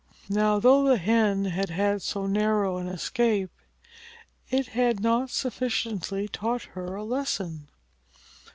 Now, though the Hen had had so narrow an escape, it had not sufficiently taught her a lesson.